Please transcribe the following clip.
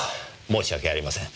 申し訳ありません。